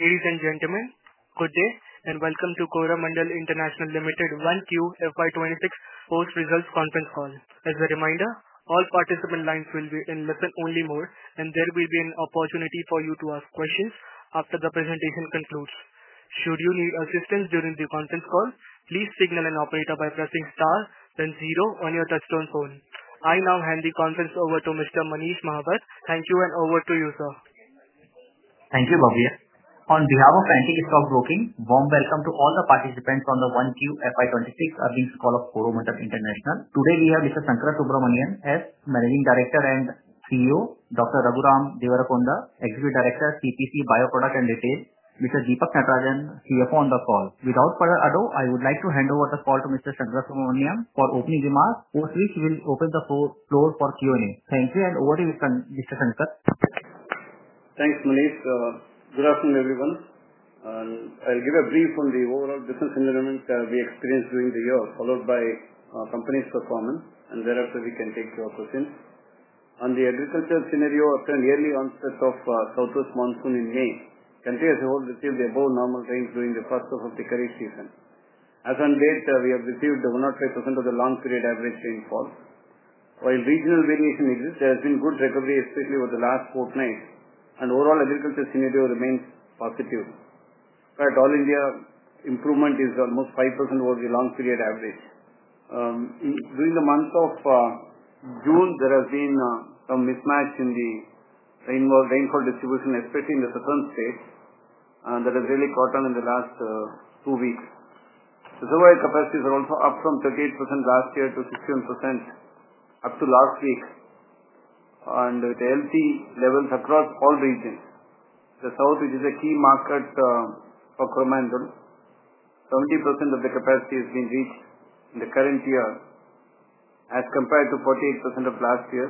Ladies and gentlemen, good day, and welcome to Coramandel International Limited 1Q FY 'twenty six post results conference call. As a reminder, all participant lines will be in listen only mode, and there will be an opportunity for you to ask questions after the presentation concludes. Should you need assistance during the conference call, please signal an operator by pressing star, then 0 on your touch tone phone. I now hand the conference over to Mr. Manish Mahabad. Thank you, over to you, sir. Thank you, Bhavya. On behalf of Anti Stock Broking, warm welcome to all the participants on the 1Q FY 'twenty six earnings call of Coromantel International. Today, we have mister Sankara Subramanian as managing director and CEO, doctor Raghuram Devarakonda, executive director, CPC, Bioproducts and Retail. Mr. Deepak Nitrajan, CFO on the call. Without further ado, I would like to hand over Sadrasham Aniam for opening remarks, over which he will open the floor for Q and A. Thank you and over to Mr. Sadrasham. Thanks, Manish. Good afternoon, everyone. I'll give a brief on the overall business environment that we experienced during the year followed by company's performance and thereafter we can take your questions. On the additional sales scenario after nearly onset of Southwest Monsoon in May, country as a whole received the above normal range during the first half of the current season. As of late, we have received 105% of the long period average rainfall. While regional variation exists, there has been good recovery, especially over the last fortnight and overall efficiency scenario remains positive. In fact, All India improvement is almost 5% over the long period average. During the month of June, there has been some mismatch in the rainfall distribution, especially in the certain states that has really caught on in the last two weeks. The supply capacities are also up from 38% last year to 61% up to last week and the healthy levels across all regions. The South, which is a key market for Coromandel, 70% of the capacity has been reached in the current year as compared to 48% of last year,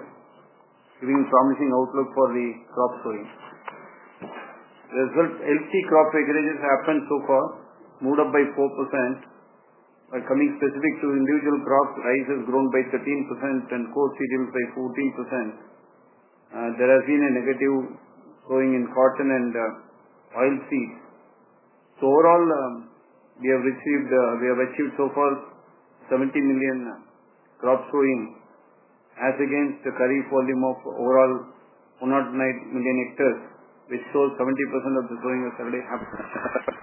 giving promising outlook for the crop growing. As well, healthy crop regulators happened so far, moved up by 4%. By coming specific to individual crops, rice has grown by 13 and coarse seed yields by 14%. There has been a negative growing in cotton and oilseeds. So overall, we have received we have achieved so far 70,000,000 crop growing as against the curry volume of overall 109,000,000 hectares, which sold 70% of the growing 75%.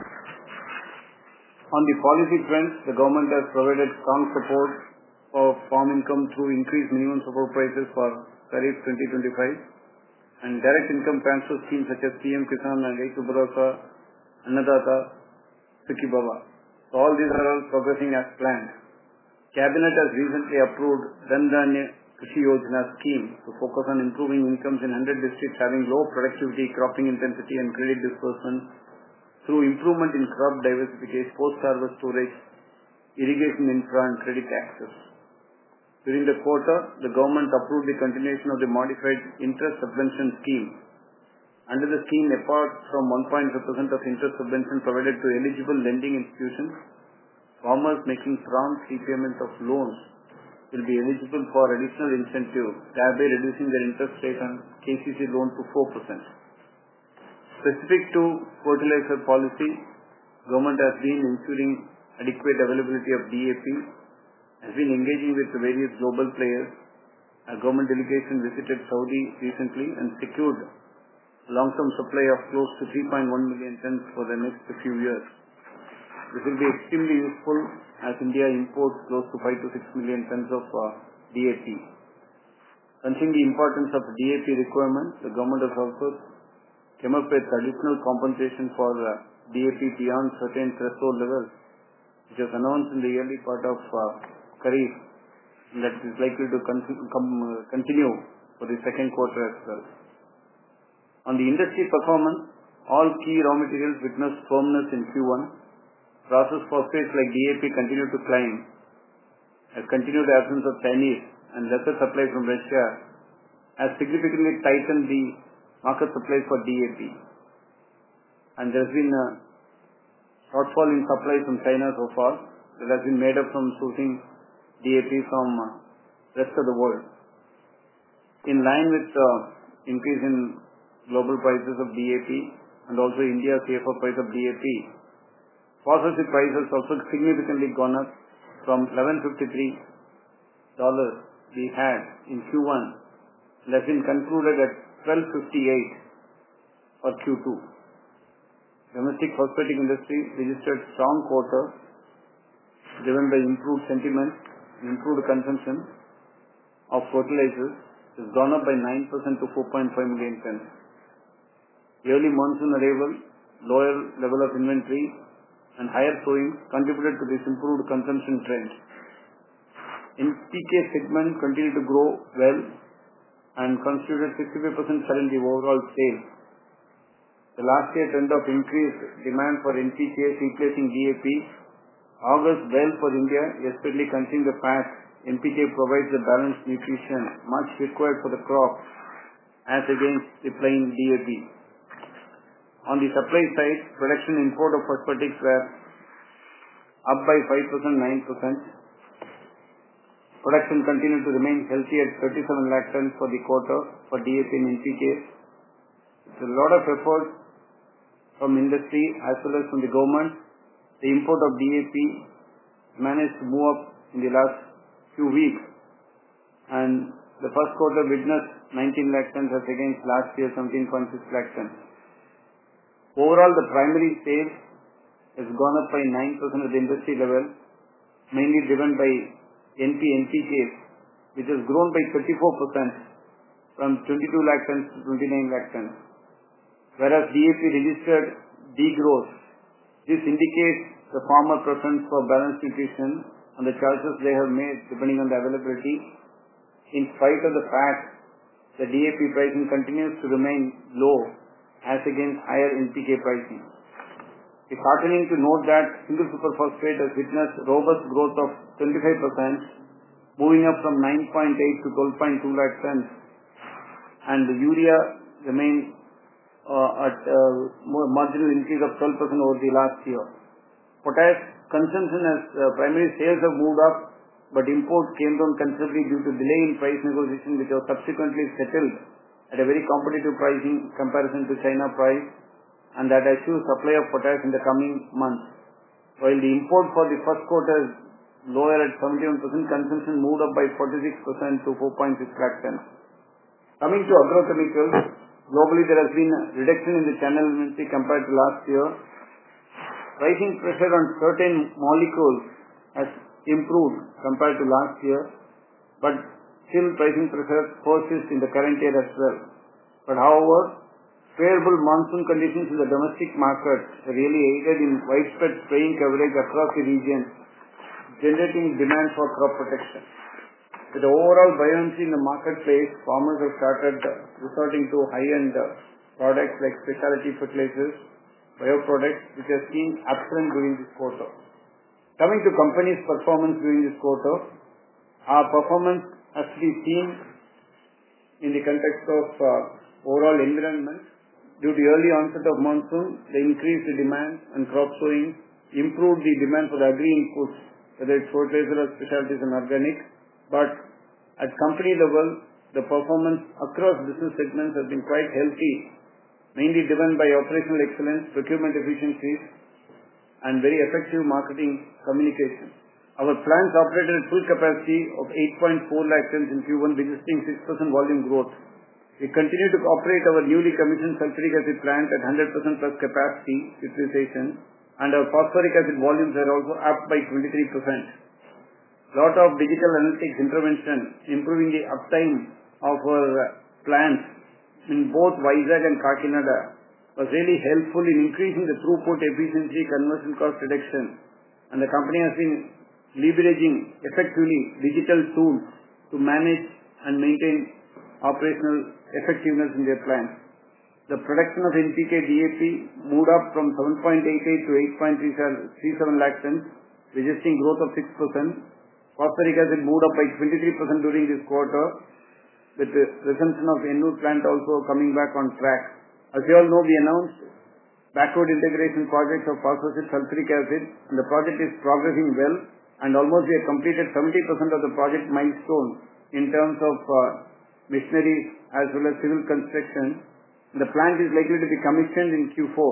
On the policy trends, the government has provided strong support of farm income through increased minimum support prices for tariff 2025 and direct income transfer schemes such as PM Krishnan, H. U. Bodhasa, Anadhasa, Sikibawa. So all these are all progressing as planned. Cabinet has recently approved Dandan Kushiyodhana scheme to focus on improving incomes in 100 districts having low productivity, cropping intensity and credit disbursements through improvement in crop diversification, post harvest storage, irrigation infra and credit taxes. During the quarter, the government approved the continuation of the modified interest sublimation scheme. Under the scheme, apart from 1.5% of interest sublimation provided to eligible lending institutions, farmers making strong prepayment of loans will be eligible for additional incentive thereby reducing their interest rate on KCC loan to 4%. Specific to fertilizer policy, government has been ensuring adequate availability of DAP, has been engaging with the various global players, a government delegation visited Saudi recently and secured long term supply of close to 3,100,000 tonnes for the next few years. This will be extremely useful as India imports close to 5,000,000 to 6,000,000 tonnes of DAP. Sensing the importance of DAP requirements, the Government has also came up with additional compensation for DAP beyond certain threshold levels, just announced in the early part of Karif, and that is likely to continue for the second quarter as well. On the industry performance, all key raw materials witnessed firmness in Q1. Process for sales like DAP continued to climb as continued absence of Chinese and lesser supply from Russia has significantly tightened the market supply for DAP. And there's been a shortfall in supplies in China so far that has been made up from suiting DAP from rest of the world. In line with increase in global prices of DAP and also India's safer price of DAP. Positive prices also significantly gone up from $11.53 dollars we had in Q1, less than concluded at $12.58 for Q2. Domestic phosphatic industry registered strong quarter, driven by improved sentiment, improved consumption of fertilizers has gone up by 9% to $4,500,000 Early months in arrival, lower level of inventory and higher towing contributed to this improved consumption trend. NPK segment continued to grow well and contributed 65% share in the overall sales. The last year's trend of increased demand for NPK replacing DAP. August well for India, yesterday continued the fact NPK provides a balanced nutrition much required for the crop as against supplying DAP. On the supply side, production in port of cosmetics were up by 5%, 9%. Production continued to remain healthy at 37 lakh tonnes for the quarter for DAP and NPK. It's a lot of effort from industry as well as from the government. The import of DAP managed to move up in the last few weeks. And the first quarter witnessed 19 lakh tonnes as against last year 17.6 lakh tonnes. Overall, the primary sales has gone up by 9% at the industry level, mainly driven by NPNPC, which has grown by 34% from 22 lakhs to 29 lakhs, whereas DAP registered degrowth. This indicates the former preference for balanced nutrition and the charges they have made depending on the availability. In spite of the fact that DAP pricing continues to remain low as against higher in PK pricing. It's heartening to note that single super phosphate has witnessed robust growth of 25%, moving up from 9.8 to 12.2 lakh cents, and the urea remains at a marginal increase of 12% over the last year. Potash consumption as primary sales have moved up, but imports came down considerably due to delay in price negotiation, which was subsequently settled at a very competitive pricing comparison to China price and that assumes supply of potash in the coming months. While the import for the first quarter is lower at 71%, consumption moved up by 46% to 4.65%. Coming to agrochemicals. Globally, there has been a reduction in the channel inventory compared to last year. Pricing pressure on certain molecules has improved compared to last year, but still pricing persists in the current year as well. But however, favorable monsoon conditions in the domestic market really aided in widespread spraying coverage across the region, generating demand for crop protection. With the overall buoyancy in the marketplace, farmers have started returning to high end products like specialty fertilizers, bioproducts, which has been excellent during this quarter. Coming to company's performance during this quarter. Our performance has been seen in the context of overall environment. Due to early onset of monsoon, the increased demand and crop sowing improved the demand for the agri inputs, whether it's fertilizer or specialties and organic. But at company level, the performance across business segments has been quite healthy, mainly driven by operational excellence, procurement efficiencies and very effective marketing communication. Our plants operated at full capacity of 8.4 lakh tonnes in Q1, consisting 6% volume growth. We continue to operate our newly commissioned sulphuric acid plant at 100% plus capacity utilization and our phosphoric acid volumes were also up by 23%. Lot of digital analytics intervention, improving the uptime of our plants in both Vizag and Kakinada was really helpful in increasing the throughput efficiency conversion cost reduction, and the company has been leveraging effectively digital tools to manage and maintain operational effectiveness in their plants. The production of NPK DAP moved up from 7.88 to 8.37 lakhs, registering growth of 6%. Phosphoric acid moved up by 23% during this quarter with the resumption of ENU plant also coming back on track. As you all know, we announced backward integration projects of phosphorus and sulphuric acid, and the project is progressing well and almost we have completed 70% of the project milestone in terms of machinery as well as civil construction. The plant is likely to be commissioned in Q4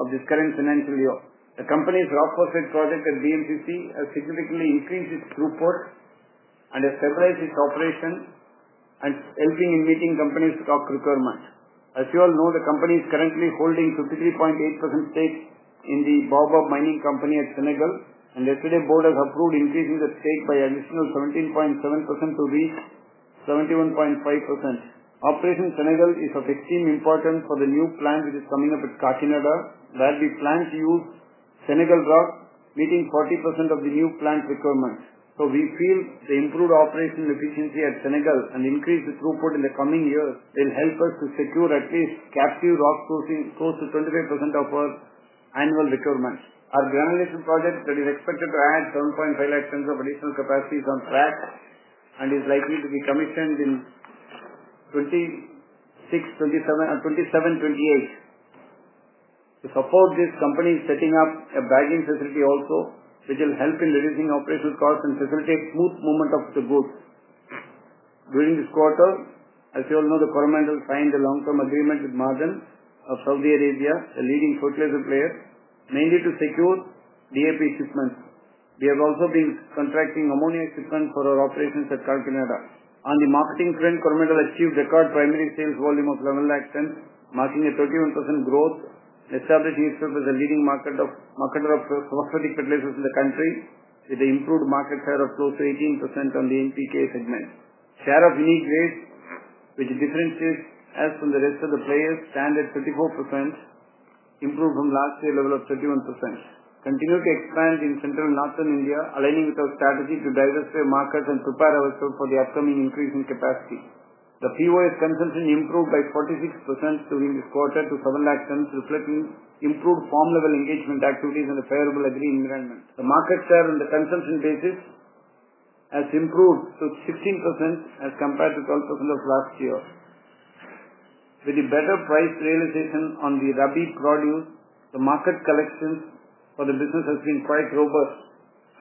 of this current financial year. The Company's rock phosphate project at BMCC has significantly increased its throughput and has separated its operations and helping in meeting Company's stock requirement. As you all know, the Company is currently holding 53.8% stake in the Baobab Mining Company at Senegal, and yesterday, Board has approved increasing the stake by additional 17.7% to reach 71.5%. Operation Senegal is of extreme importance for the new plant, which is coming up at Kartinada, where we plan to use Senegal rock meeting 40% of the new plant requirements. So we feel the improved operational efficiency at Senegal and increase the throughput in the coming years will help us to secure at least captive rock sourcing close to 25% of our annual requirements. Our granulation project that is expected to add 7.5 lakh tonnes of additional capacity is on track and is likely to be commissioned in 'twenty six, 'twenty seven seven, 'twenty eight. To support this company, setting up a bagging facility also, which will help in reducing operational costs and facilitate smooth movement of the goods. During this quarter, as you all know, the government has signed a long term agreement with margin of Saudi Arabia, a leading fertilizer player, mainly to secure DAP shipments. We have also been contracting ammonia equipment for our operations at Car Canada. On the marketing trend, Coromandel achieved record primary sales volume of Gramal Accent, marking a 31% growth and established itself as a leading marketer of software liquidators in the country with an improved market share of close to 18% on the NPK segment. Share of unique rates, which differentiates us from the rest of the players, stand at 34%, improved from last year level of 31%. Continue to expand in Central And Northern India, aligning with our strategy to divest the market and prepare ourselves for the upcoming increase in capacity. The POS consumption improved by 46% during this quarter to 7.10, reflecting improved form level engagement activities and a favorable agreement. The market share on the consumption basis has improved to 16% as compared to 12% of last year, With the better price realization on the rabid produce, the market collection for the business has been quite robust.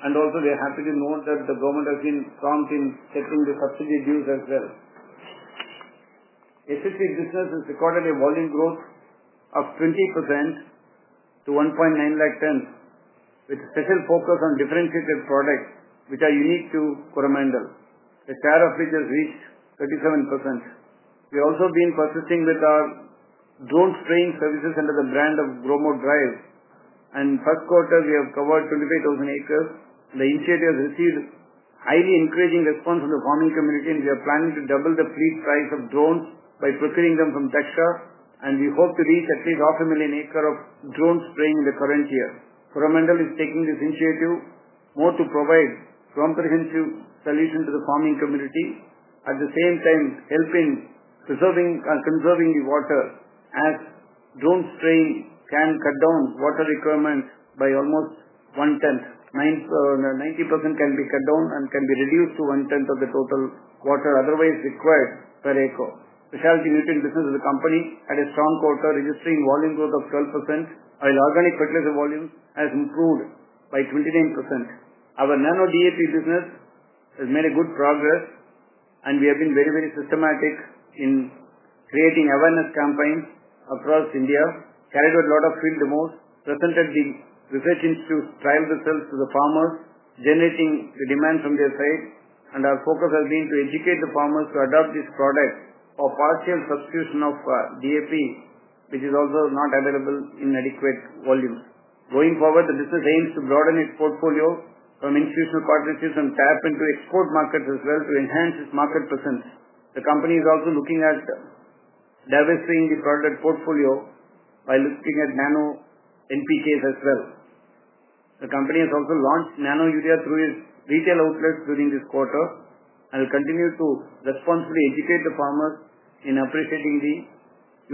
And also, are happy to note that the government has been prompt in settling the subsidy deals as well. ACC business has recorded a volume growth of 20% to 1.9 lakh 10 with special focus on differentiated products, which are unique to Coromandel, a tariff which has reached 37%. We've also been persisting with our drone strain services under the brand of Bromo Drive. And in first quarter, we have covered 25,000 acres. The initiative received highly encouraging response from the farming community, we are planning to double the fleet price of drones by procuring them from Teksha and we hope to reach at least 5,000,000 acres of drone spraying in the current year. Coromandel is taking this initiative more to provide comprehensive solution to the farming community, at the same time, helping preserving the water as drone strain can cut down water requirement by almost one tenth, 90% can be cut down and can be reduced to one tenth of the total quarter otherwise required per AECO. The Health and Nutrition business as a company had a strong quarter, registering volume growth of 12%, while organic fertilizer volume has improved by 29%. Our nano DAP business has made a good progress, and we have been very, very systematic in creating awareness campaigns across India, carried out a lot of field demos, presented the research institute drive themselves to the farmers, generating the demand from their side. And our focus has been to educate the farmers to adopt this product or partial substitution of DAP, which is also not available in adequate volumes. Going forward, the business aims to broaden its portfolio from institutional cartridges and tap into export markets as well to enhance its market presence. The company is also looking at diversifying the product portfolio by looking at nano NPKs as well. The company has also launched Nano Urea through its retail outlets during this quarter and will continue to responsibly educate the farmers in appreciating the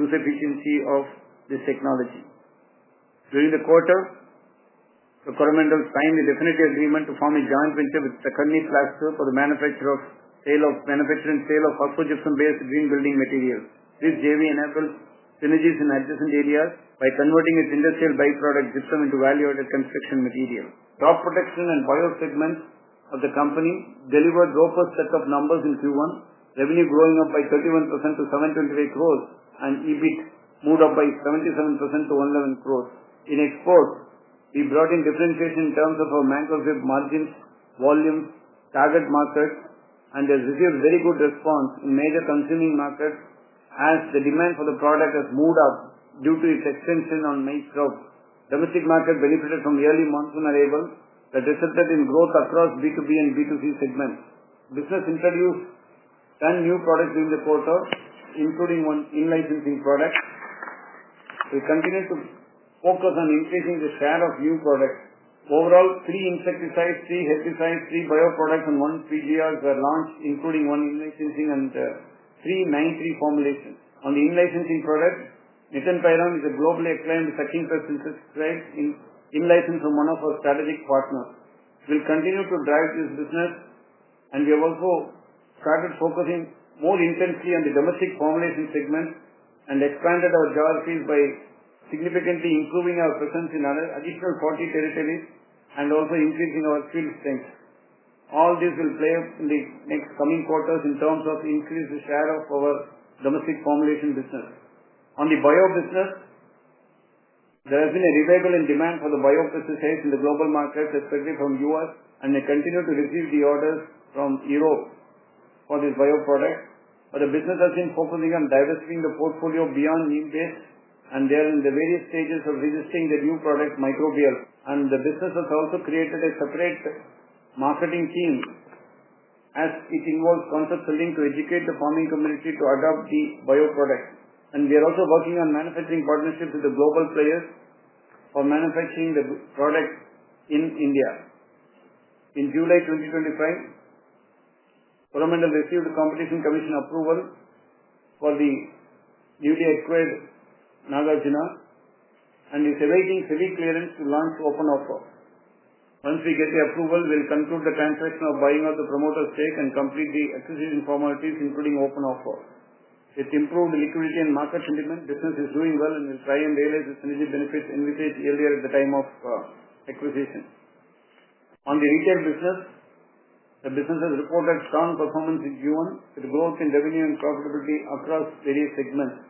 user efficiency of this technology. During the quarter, the Coromandel signed a definitive agreement to form a joint venture with Sakharini Plaster for the manufacture sale of manufacturing sale of Hakpo Gypsum based Green Building Materials. This JV enables synergies in adjacent areas by converting its industrial byproduct Gypsum into value added construction material. Trop Protection and Oil segments of the company delivered robust set of numbers in Q1, revenue growing up by 31% to INR $7.23 crores and EBIT moved up by 77% to 111 crores. In exports, we brought in differentiation in terms of our macro grip margins, volumes, target market and has received very good response in major consuming markets as the demand for the product has moved up due to its extension on May 12. Domestic market benefited from the early monsoon arrival that resulted in growth across B2B and B2C segments. Business introduced 10 new products during the quarter, including one in licensing product. We continue to focus on increasing the share of new products. Overall, three insecticides, three herbicides, three bioproducts and one PDRs were launched, including one in licensing and three ninety three formulations. On the in licensing product, Nipenpyram is a global acclaimed, second person in license from one of our strategic partners. We'll continue to drive this business, and we have also started focusing more intensely on the domestic formulation segment and expanded our geographies by significantly improving our presence in additional 40 territories and also increasing our field strength. All this will play in the next coming quarters in terms of the increased share of our domestic formulation business. On the Bio business, there has been a revival in demand for the Bio business sales in the global markets, especially from U. S, and they continue to receive the orders from Europe for this bioproduct. But the business has been focusing on divesting the portfolio beyond need based, and they are in the various stages of resisting the new product Microbial. And the business has also created a separate marketing team as it involves concept selling to educate the farming community to adopt the bioproducts. And we are also working on manufacturing partnerships with the global players for manufacturing the products in India. In July 2025, Parliamentary received the Competition Commission approval for the newly acquired Nagarjuna and is awaiting SEBI clearance to launch open offer. Once we get the approval, we'll conclude the transaction of buying out the promoter stake and complete the acquisition formalities including open offer. It's improved liquidity and market sentiment. Business is doing well and is trying to realize synergy benefits envisaged earlier at the time of acquisition. On the Retail business, the business has reported strong performance in Q1 with growth in revenue and profitability across various segments.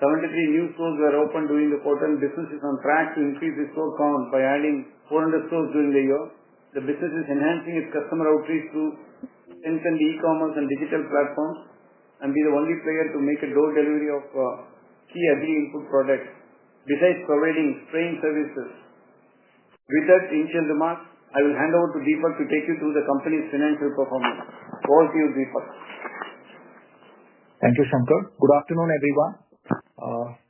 73 new stores were opened during the quarter and business is on track to increase its store count by adding 400 stores during the year. The business is enhancing its customer outreach through instant e commerce and digital platforms and be the only player to make a door delivery of key every input products besides providing training services. With that initial remarks, I will hand over to Deepa to take you through the company's financial performance. Over to you, Deepa. Thank you, Shankar. Good afternoon, everyone.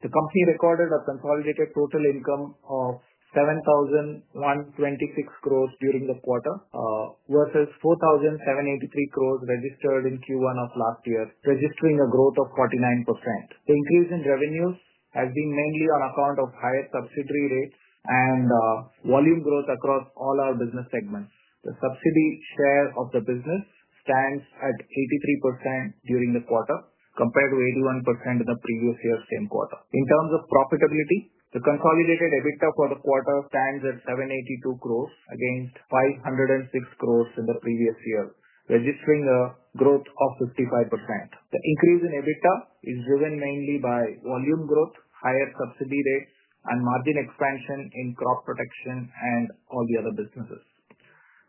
The company recorded a consolidated total income of 7,126 crores during the quarter versus 4,783 crores registered in Q1 of last year, registering a growth of 49%. The increase in revenues has been mainly on account of higher subsidiary rates and volume growth across all our business segments. The subsidy share of the business stands at 83% during the quarter compared to 81% in the previous year same quarter. In terms of profitability, the consolidated EBITDA for the quarter stands at $7.82 crores against $5.00 6 crores in the previous year, registering a growth of 55%. The increase in EBITDA is driven mainly by volume growth, higher subsidy rates and margin expansion in crop protection and all the other businesses.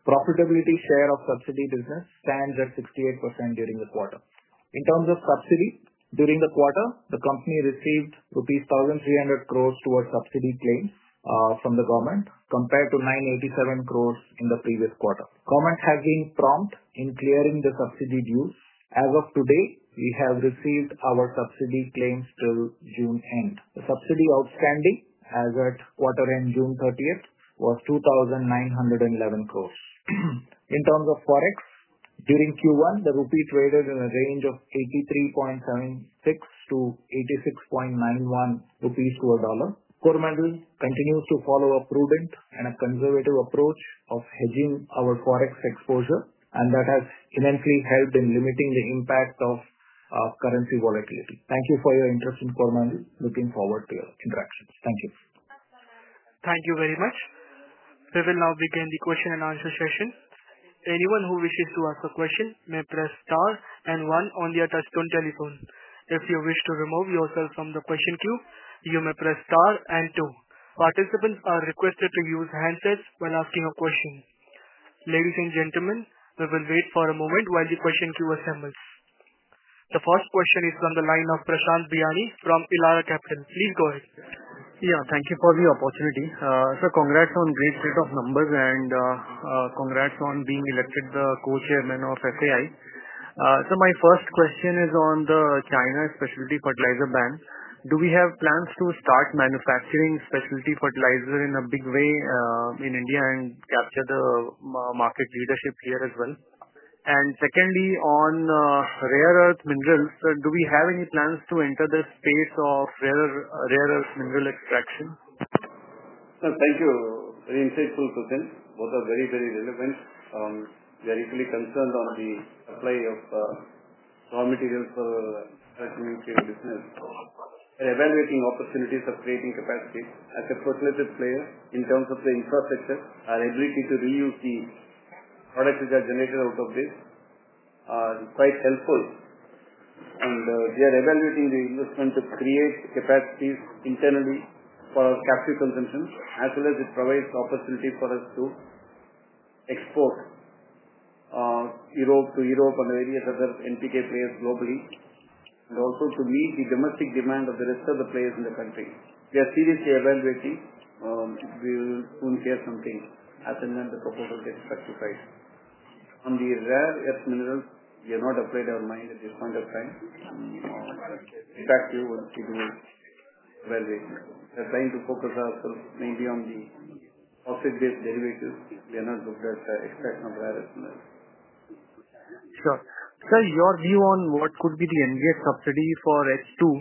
Profitability share of subsidy business stands at 68% during the quarter. In terms of subsidy, during the quarter, the company received rupees 1,300 crores towards subsidy claims from the government compared to $9.87 crores in the previous quarter. Government has been prompt in clearing the subsidy dues. As of today, we have received our subsidy claims till June. The subsidy outstanding as at quarter end June 30 was 2,911 crores. In terms of Forex, during q one, the rupee traded in a range of 83.76 to 86.91 rupees to a dollar. CoreMandel continues to follow a prudent and a conservative approach of hedging our forex exposure, and that has immensely helped in limiting the impact of currency volatility. Thank you for your interest in CorMandel. Looking forward to your interactions. Thank you. Thank you very much. We will now begin the question and answer session. Anyone who wishes to ask a question may press and one on your touch tone telephone. If you wish to remove yourself from the question queue, you may press and 2. Participants are requested to use handsets when asking a question. Ladies and gentlemen, we will wait for a moment while the question queue assembles. The first question is from the line of Prashant Biani from Pilara Capital. Please go ahead. Yeah. Thank you for the opportunity. Sir, congrats on great set of numbers, and congrats on being elected the cochairman of FAI. Sir, my first question is on the China specialty fertilizer ban. Do we have plans to start manufacturing specialty fertilizer in a big way in India and capture the market leadership here as well? And secondly, on rare earth minerals, do we have any plans to enter the space of rare earth mineral extraction? Thank you. Very insightful, Pudin. Both are very, very relevant. Very fully concerned on the supply of raw materials for ethylene business and evaluating opportunities of creating capacity. As a first listed player in terms of the infrastructure, our ability to reuse the products which are generated out of this are quite helpful. And we are evaluating the investment to create capacities internally for our captive consumption as well as it provides the opportunity for us to export Europe to Europe and various other NPK players globally and also to meet the domestic demand of the rest of the players in the country. We are seriously evaluating. We will soon hear something as and when the proposal gets classified. On the rare earth minerals, we have not applied our mind at this point of time. In fact, we will see the very we're trying to focus ourselves maybe on the opposite base derivatives. We are not looking at the exact number at this moment. Sure. Sir, your view on what could be the India subsidy for h two,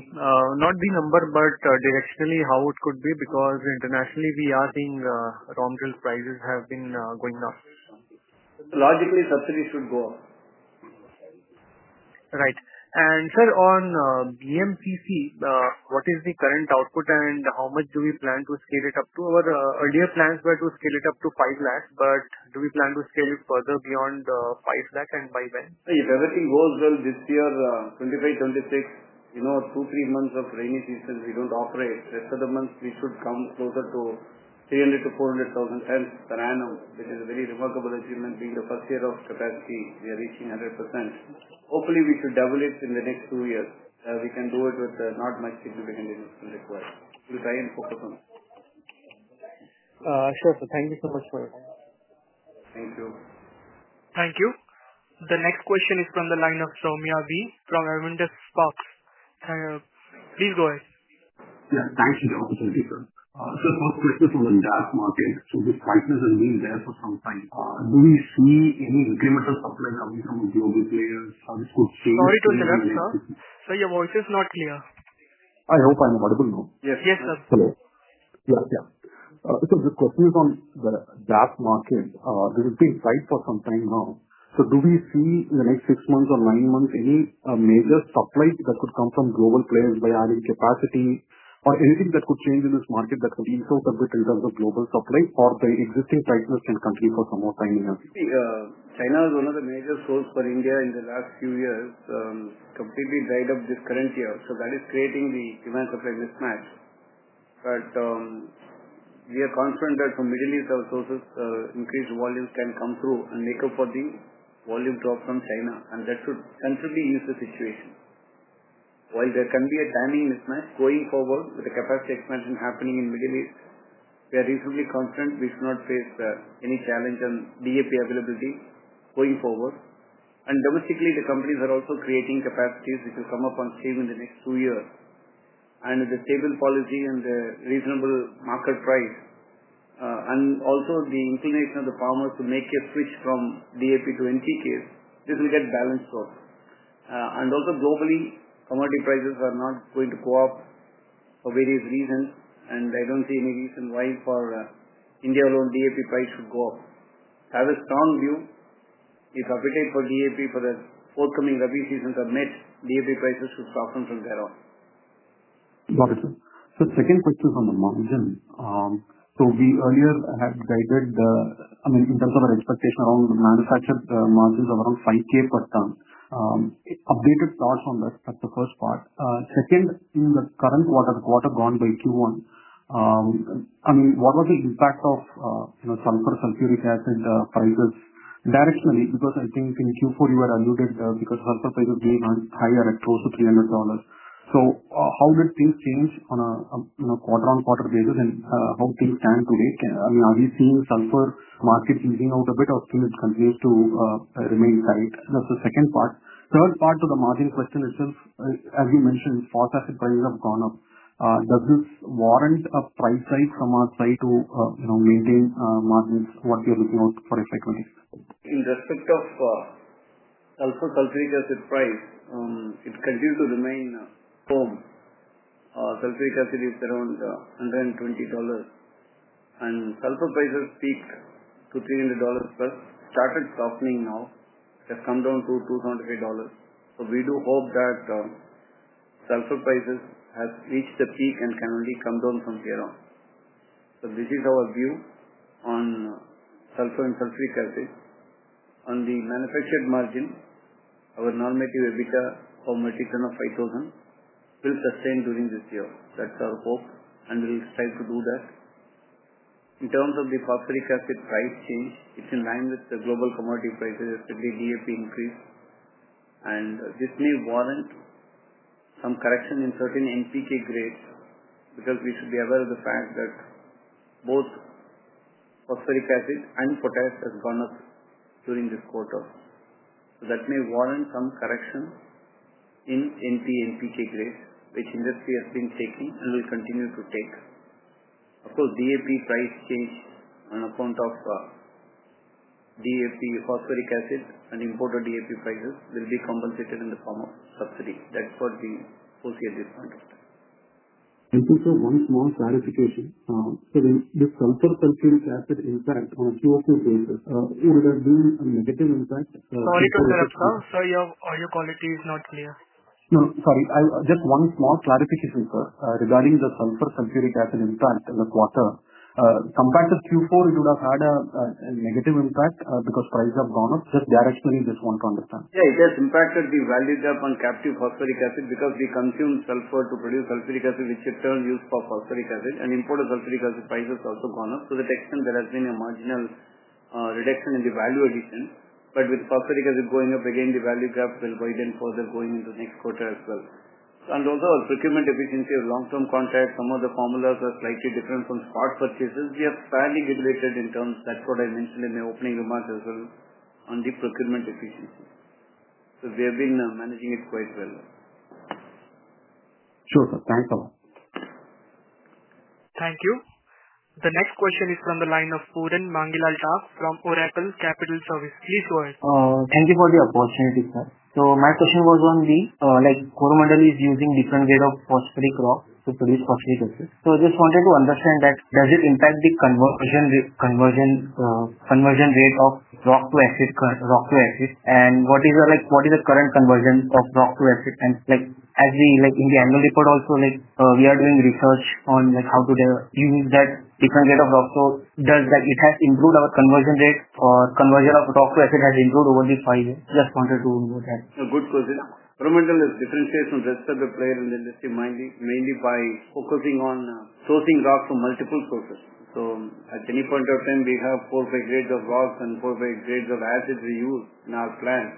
not the number, but directionally how it could be because internationally, we are seeing the prices have been going up. Logically, subsidy should go up. Right. And sir, on the MCC, what is the current output and how much do we plan to scale it up to? Our earlier plans were to scale it up to 5 lakh, but do we plan to scale it further beyond 5 lakh and by then? If everything goes well this year, 2526, you know, two, three months of rainy season, we don't operate. Rest of the month, we should come closer to 300,000 to 400,000 tonnes per annum, which is a very remarkable achievement being the first year of capacity. We are reaching 100%. Hopefully, we should double it in the next two years. We can do it with not much significant investment required. We'll try and focus on it. Sure, sir. Thank you so much for your time. Thank you. Thank you. The next question is from the line of from Arvindis Fox. Please go ahead. Yeah. Thank you for opportunity, sir. So first question from the gas market. So this crisis has been there for some time. Do we see any incremental supply now in some of the global players, how this could change Sorry to interrupt, sir. Sir, your voice is not clear. I hope I'm audible now. Yes. Yes, sir. Hello. Yeah. Yeah. So the question is on the DApp market. This is being tight for some time now. So do we see in the next six months or nine months any major supply that could come from global players by adding capacity or anything that could change in this market that could be so that we can develop global supply or the existing prices can continue for some more time? China is one of the major source for India in the last few years, completely dried up this current year. So that is creating the demand for a mismatch. But we are confident that from Middle East, sources increased volumes can come through and make up for the volume drop from China, and that should continue use the situation. While there can be a timing mismatch going forward with the capacity expansion happening in Middle East, we are reasonably confident we should not face any challenge on DAP availability going forward. And domestically, the companies are also creating capacity, which will come up on stream in the next two years. And with a stable policy and the reasonable market price and also the inclination of the farmers to make a switch from DAP to NTK, this will get balanced out. And also globally, commodity prices are not going to go up for various reasons. And I don't see any reason why for India alone DAP price should go up. I have a strong view. If appetite for DAP for the forthcoming Rabi seasons are met, DAP prices should soften from thereon. Got it, sir. So second question is on the margin. So we earlier had guided, I mean, in terms of our expectation around the manufactured margins of around 5 ks per ton. Updated thoughts on that, that's the first part. Second, in the current quarter, quarter gone by Q1, I mean, was the impact of sulfur sulfuric acid prices directionally? Because I think in Q4, were alluded because sulfur prices being higher at close to $300 So how did things change on a you know, quarter on quarter basis and how things stand today? I mean, are you seeing sulfur market easing out a bit or still it continues to remain tight? That's the second part. Third part of the margin question is just, as you mentioned, forecasted prices have gone up. Does this warrant a price rise from our side to maintain margins what we are looking out for FY 'twenty? In respect of sulfuric acid price, it continues to remain firm. Sulfuric acid is around $120 and sulfur prices peak to $300 plus started softening now, has come down to $225 So we do hope that sulphur prices have reached the peak and can only come down from here on. So this is our view on sulphur and sulphuric acid. On the manufactured margin, our normative EBITDA of metric ton of 5,000 will sustain during this year. That's our hope and we'll strive to do that. In terms of the phosphoric acid price change, it's in line with the global commodity prices, especially DAP increase. And this may warrant some correction in certain NPK grades because we should be aware of the fact that both phosphoric acid and potash has gone up during this quarter. So that may warrant some correction in NPNPK grade, which industry has been taking and will continue to take. Of course, DAP price change on account of DAP phosphoric acid and imported DAP prices will be compensated in the form subsidy. That's what we foresee at this point of time. Thank you sir, one small clarification. So this sulphur sulphur sulphuric acid impact on a Q o Q basis, it would have been a negative impact Sorry to interrupt sir, sir, your audio quality is not clear. No. Sorry. I just one small clarification, sir, regarding the sulfur sulfuric acid impact in the quarter. Compact of q four, it would have had a a negative impact because prices have gone up. Just directionally, just one to understand. Yeah. It has impacted the values up on captive phosphoric acid because we consume sulfur to produce sulfuric acid, which is used for sulfuric acid and imported sulfuric acid prices also gone up. So the extent there has been a marginal reduction in the value addition. But with sulfuric acid going up again, the value gap will widen further going next quarter as well. And also our procurement efficiency of long term contracts, some of the formulas are slightly different from spot purchases. We are fairly regulated in terms that's what I mentioned in my opening remarks as well on the procurement efficiency. So we have been managing it quite well. Sure sir. Thanks a Thank you. The next question is from the line of from Oracle Capital Service. Please go ahead. Thank you for the opportunity sir. So my question was on the, like, is using different rate of phosphate crop to produce phosphate. So I just wanted to understand that, does it impact the conversion conversion conversion rate of block to asset current block to asset? And what is the, like, what is the current conversion of block to exit? And, like, as we, like, in the annual report also, like, we are doing research on, like, how to do you need that different data of block. So does that it has improved our conversion rate or conversion of drop through asset has improved over the five years? Just wanted to know that. Good question. Incremental is differentiation, rest of the player in the industry mainly by focusing on sourcing rock from multiple sources. So at any point of time, we have four by grades of rocks and four by grades of acid we use in our plant,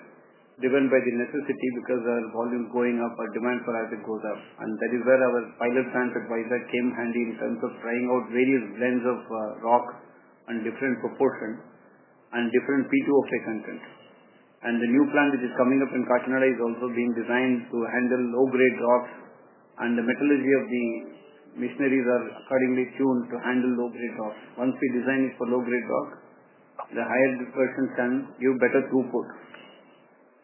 driven by the necessity because our volume is going up, our demand for acid goes up. And that is where our pilot plant adviser came handy in terms of trying out various blends of rock and different proportion and different P2O3 content. And the new plant which is coming up in Patanaray is also being designed to handle low grade rock and the metallurgy of the machineries are accordingly tuned to handle low grade rock. Once we design it for low grade rock, the higher dispersion can give better throughput.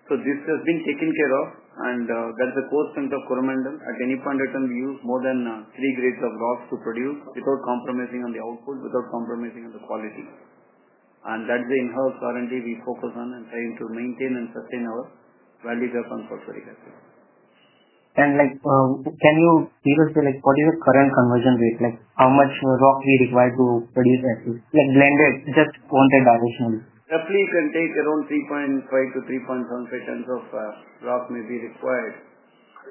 So this has been taken care of and that's the core strength of Coromandan. At any point at time, we use more than three grades of rock to produce without compromising on the output, without compromising on the quality. And that's the enhanced R and D we focus on and trying to maintain and sustain our value preference for Ferric acid. And like, can you give us the, like, what is the current conversion rate? Like, how much rock we require to produce at least, like, blended, just wanted additional? Roughly, you can take around three point five to three point one seconds of rock may be required,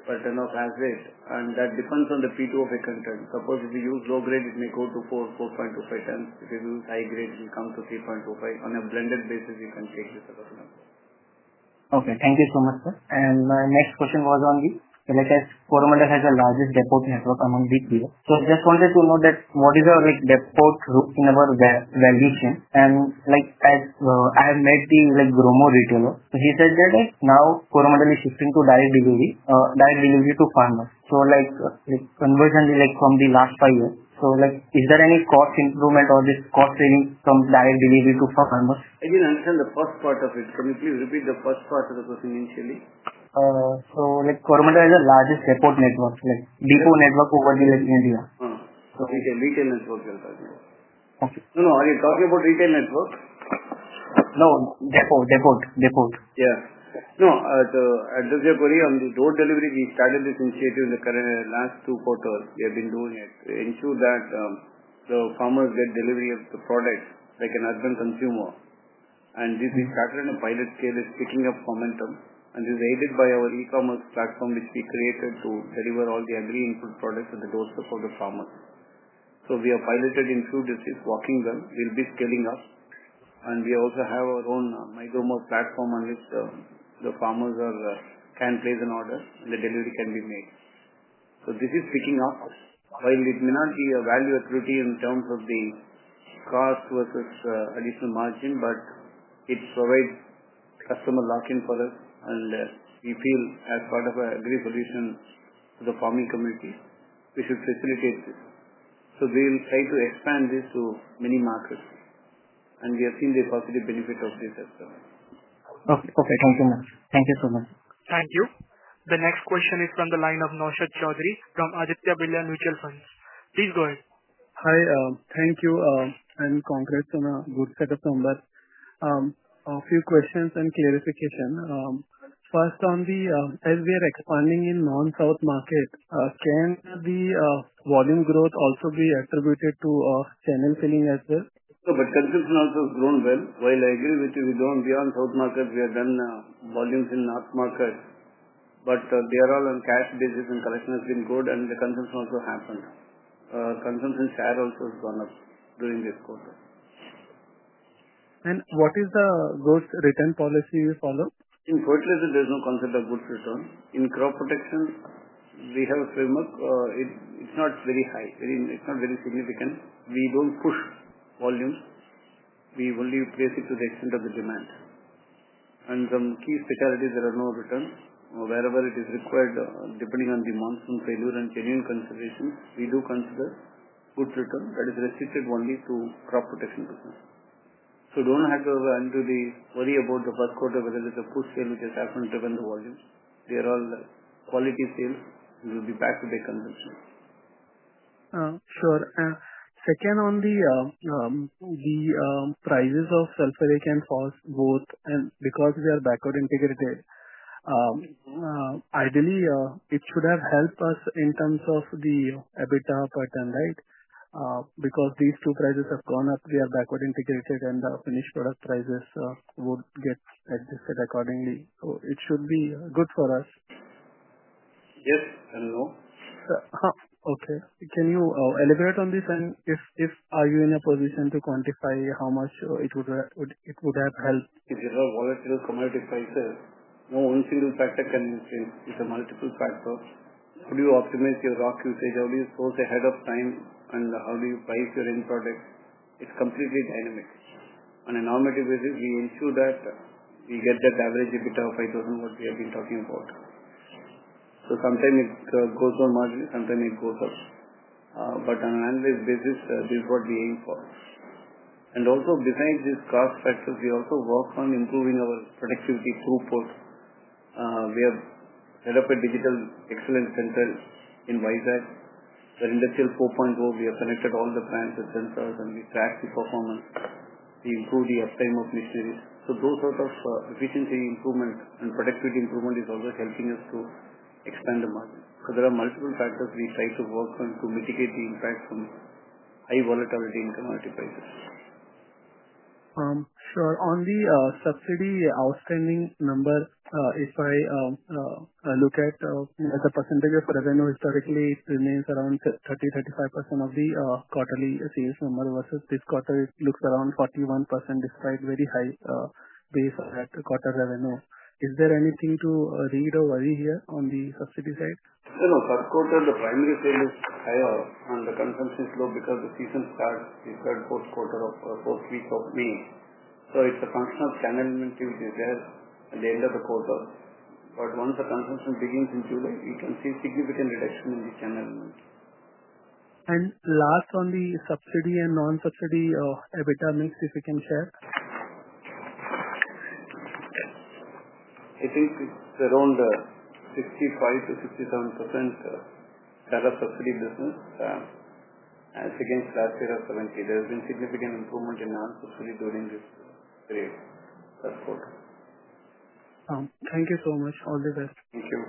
but they're not as rate. And that depends on the P2OF content. Suppose if we use low grade, it may go to four, four point two five tons. If we use high grade, it will come to 3.25. On a blended basis, you can take this sort of number. Okay. Thank you so much, sir. And my next question was on the, like, has a largest network among the. So I just wanted to know that what is our, like, the port group in our. And, like, as I have met the, like, the. He said that, like, now is shifting to direct delivery direct delivery to Farmers. So, like, conversion is, like, from the last five years. So, like, is there any cost improvement or this cost savings from direct delivery to Farmers? I didn't understand the first part of it. Can you please repeat the first part of the question initially? So, like, Coromandan is the largest airport network, like, depot network over here in India. Uh-uh. Okay. Retail network, sir. Okay. No. Are you talking about retail network? No. Depot. Depot. Depot. Yeah. No. The does your query on the door delivery, we started this initiative in the current last two quarters. We have been doing it. We ensure that the farmers get delivery of the product, like an urban consumer. And this is started in a pilot scale that's picking up momentum and is aided by our e commerce platform, which we created to deliver all the agri input products and the dossier for the farmers. So we have piloted into this, working them, we'll be scaling up. And we also have our own micro most platform on which the farmers are, can place an order and the delivery can be made. So this is picking up. While it may not be a value equity in terms of the cost versus additional margin, but it provides customer lock in for us. And we feel as part of a great solution to the farming community, we should facilitate this. So we will try to expand this to many markets, and we have seen the positive benefit of this as well. Okay okay. Thank you, ma'am. Thank you so much. Thank you. The next question is from the line of from Ajithya Billion Mutual Funds. Please go ahead. Hi. Thank you, and congrats on a good set of numbers. A few questions and clarification. First, on the as we are expanding in non South market, can the volume growth also be attributed to channel filling as well? No, but consumption also has grown well. While I agree with you, we don't beyond South market, we have done volumes in North market, but they are all on cash basis and correction has been good and the consumption also happened. Consumption share also has gone up during this quarter. And what is the growth return policy you follow? In fertilizer, there's no concept of good return. In crop protection, we have a framework. It it's not very high. I mean, it's not very significant. We don't push volumes. We will leave basic to the extent of the demand. And some key fatalities, there are no return. Wherever it is required, depending on the monsoon failure and genuine consideration, we do consider good return that is restricted only to crop protection business. So don't have to worry about the first quarter, whether it's a food sale, which has happened driven the volumes. They are all quality sales. We will be back to the conclusion. Sure. Second, on the prices of sulphuric and false both and because we are backward integrated, ideally, it should have helped us in terms of the EBITDA per ton. Right? Because these two prices have gone up, we are backward integrated, and the finished product prices would get adjusted accordingly. So, it should be good for us. Yes and no. Sir, okay. Can you elaborate on this and if if are you in a position to quantify how much it would would it would have helped? If you have volatile commodity prices, no one single factor can change with a multiple factor. Could you optimize your rock usage? How do you source ahead of time? And how do you price your end product? It's completely dynamic. On a normative basis, we ensure that we get that average EBITDA of 5,000 what we have been talking about. So sometime it goes down marginally, sometime it goes up. But on an annualized basis, this is what we aim for. And also, besides this cost factors, we also work on improving our productivity throughput. We have set up a digital excellence center in WiSAG. For Industrial 4, we have connected all the plants and sensors and we track the performance. We improve the uptime of new series. So those sort of efficiency improvement and productivity improvement is also helping us to expand the margin. So there are multiple factors we try to work on to mitigate the impact from high volatility in commodity prices. Sure. On the subsidy outstanding number, if I look at as a percentage of revenue historically, it remains around 35% of the quarterly sales number versus this quarter, it looks around 41% despite very high base of that quarter revenue. Is there anything to read or worry here on the subsidy side? No no. First quarter, the primary sale is higher and the consumption is low because the season starts in third fourth quarter of fourth week of May. So it's a function of channel inventory there at the end of the quarter. But once the consumption begins in July, we can see significant reduction in the channel. And last on the subsidy and non subsidy EBITDA mix, if you can share? I think it's around 65% to 67% Tata facility business as against last year of 'seventeen. There has been significant improvement in our facility during this period. You so much. All the best. Thank you.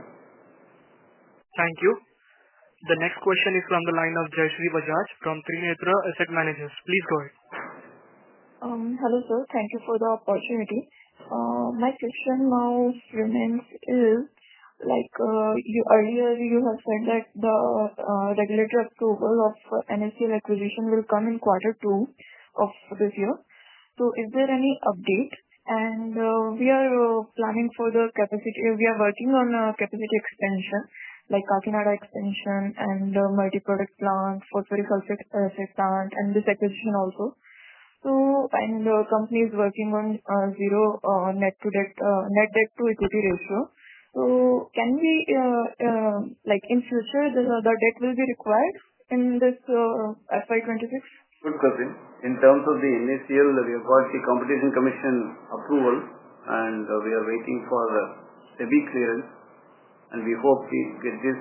Thank you. The next question is from the line of from Asset Managers. Please go ahead. Hello sir. Thank you for the opportunity. My question now remains is, like, you earlier, you have said that the regulatory approval of NFC acquisition will come in quarter two of this year. So is there any update? And we are planning for the capacity we are working on capacity expansion, like, Kakinada extension and multiproduct plan for and this acquisition also. So and the company is working on zero net to debt net debt to equity ratio. So can we like in future, the debt will be required in this FY '26? Good question. In terms of the initial, we have got the competition commission approval and we are waiting for a big clearance and we hope we get this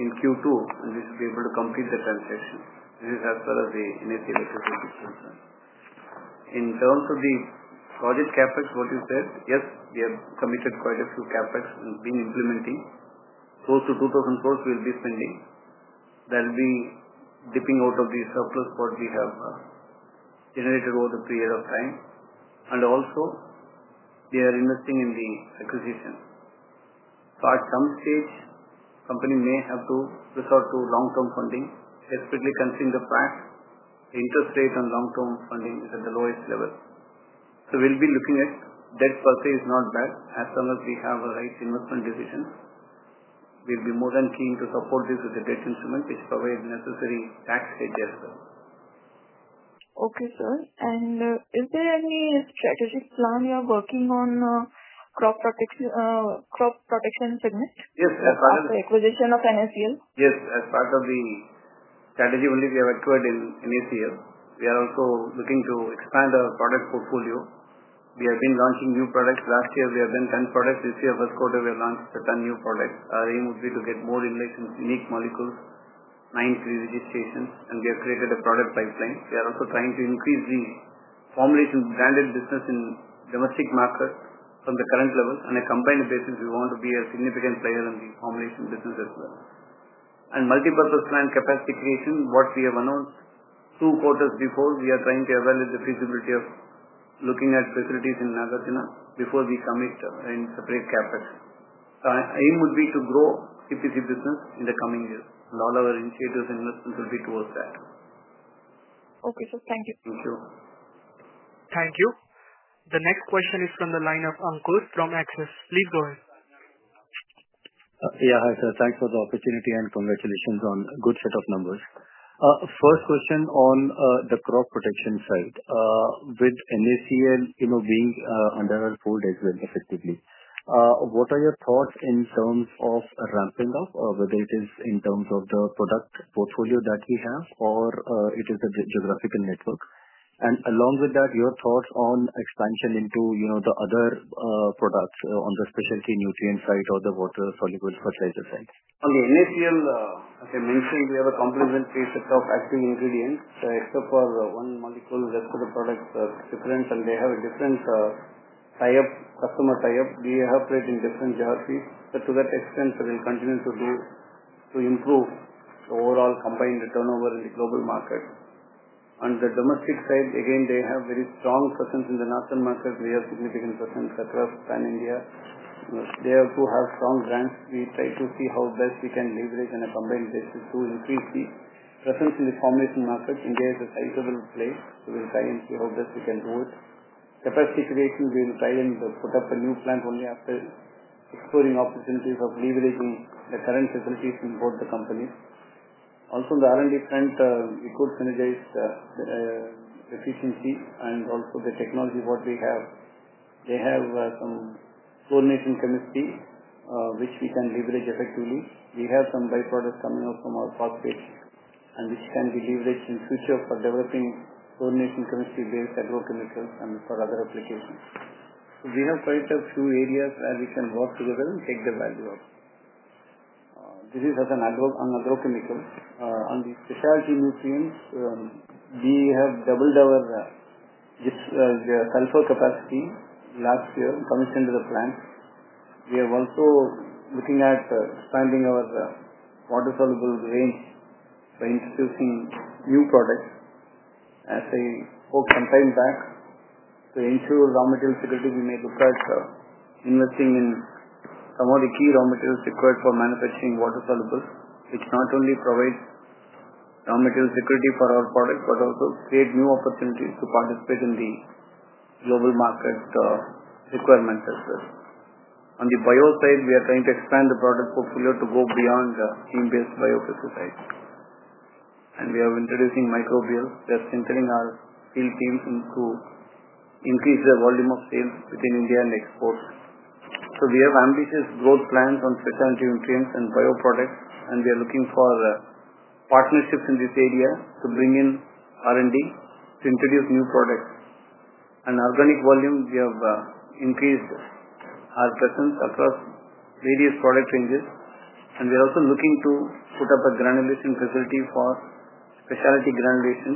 in Q2 and we should be able to complete the transaction. This is as far as the NAC electricity is concerned. In terms of the project CapEx, you said, yes, we have committed quite a few CapEx and been implementing. Close to 2,000 crores we'll be spending. There'll be dipping out of the surplus what we have generated over the period of time. And also, we are investing in the acquisition. So at some stage, company may have to resort to long term funding, especially considering the fact interest rate on long term funding is at the lowest level. So we'll be looking at debt per se is not bad as long as we have a right investment decision. We'll be more than keen to support this with the debt instrument, which provide necessary tax hedges. Okay sir. And is there any strategic plan you are working on crop protection protection segment? Yes. As part of acquisition of NACL? Yes. As part of the strategy only we have acquired in in this year. We are also looking to expand our product portfolio. We have been launching new products. Last year, we have done 10 products. This year, first quarter, we have launched 10 new products. Our aim would be to get more inlay in unique molecules, nine three digit stations, and we have created a product pipeline. We are also trying to increase the formulation branded business in domestic market from the current level. On a combined basis, we want to be a significant player in the formulation business as well. And multipurpose plant capacity creation, what we have announced two quarters before, we are trying to evaluate the feasibility of looking at facilities in Nagasino before we commit and separate CapEx. Aim would be to grow CPC business in the coming years. And all our initiatives and investments will be towards that. Okay, sir. Thank you. Thank you. Thank you. The next question is from the line of Ankur from Axis. Please go ahead. Yeah. Hi, sir. Thanks for the opportunity, and congratulations on good set of numbers. First question on the crop protection side. With NACL, you know, being under our full debt effectively, What are your thoughts in terms of ramping up or whether it is in terms of the product portfolio that we have or it is the geographical network? And along with that, your thoughts on expansion into, you know, the other products on the specialty nutrient side or the water soluble fertilizer side? On the NACL, as I mentioned, we have a complementary set of active ingredients except for one molecule, rest of the product difference and they have a different tie up, customer tie up. We operate in different geographies. But to that extent, we will continue to improve the overall combined turnover in the global market. On the domestic side, again, have very strong presence in the national market. We have significant presence in Qatar, and India. They also have strong brands. We try to see how best we can leverage and combine this to increase the presence in the formulation market. India is a sizable place. So we'll try and see how best we can do it. Capacity creation, we'll try and put up a new plant only after exploring opportunities of leveraging the current facilities in both the company. Also, on the R and D front, we could synergize efficiency and also the technology what we have. They have some coordination chemistry, which we can leverage effectively. We have some byproducts coming out from our phosphate and which can be leveraged in future for developing coordination chemistry based petrochemicals and for other applications. So we have quite a few areas where we can work together and take the value of. This is as an ad hoc on agrochemicals. On the specialty nutrients, we have doubled our sulfur capacity last year, commissioned to the plant. We are also looking at expanding our water soluble range by introducing new products As a whole campaign back, to ensure raw material security, we made the first investing in some of the key raw materials required for manufacturing water soluble, which not only provides raw material security for our products, but also create new opportunities to participate in the global market requirements as well. On the bio side, we are trying to expand the product portfolio to go beyond steam based biofacility. And we are introducing microbial. We are centering our field teams to increase their volume of sales within India and export. So we have ambitious growth plans on certain nutrients and bioproducts, and we are looking for partnerships in this area to bring in R and D to introduce new products. And organic volume, we have increased our presence across various product ranges. And we are also looking to put up a granulation facility for specialty granulation,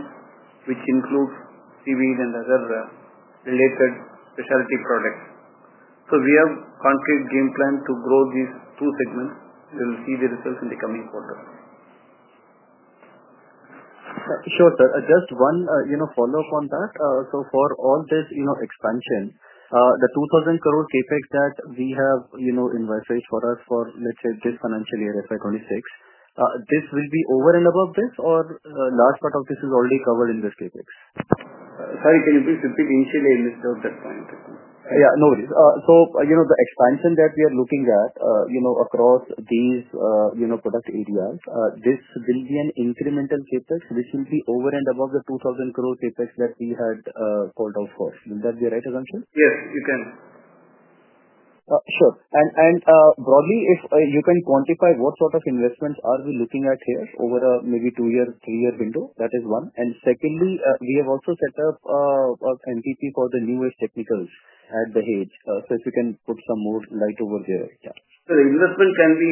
which includes seaweed and other related specialty products. So we have concrete game plan to grow these two segments. We'll see the results in the coming quarter. Sure, sir. Just one follow-up on that. So for all this expansion, the 2,000 crore CapEx that we have envisaged for us for, let's say, this financial year, if I could only fix. This will be over and above this or a large part of this is already covered in this CapEx? Sorry. Can you please repeat initially? I missed out that point. Yeah. No worries. So, you know, the expansion that we are looking at, you know, across these, you know, product areas, this will be an incremental CapEx, which will be over and above the 2,000 crores CapEx that we had called out for. Is that the right assumption? Yes. You can. Sure. And and broadly, if you can quantify what sort of investments are we looking at here over a maybe two year, three year window, that is one. And secondly, we have also set up a NPP for the newest technicals at the hedge. So if you can put some more light over there, yes. Sir, investment can be